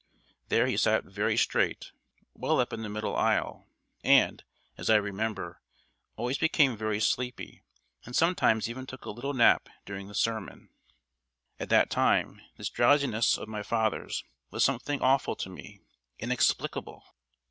There he sat very straight well up the middle aisle and, as I remember, always became very sleepy, and sometimes even took a little nap during the sermon. At that time, this drowsiness of my father's was something awful to me, inexplicable.